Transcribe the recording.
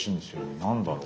何だろう。